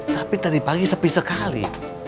tapi tadi pagi sepi sekali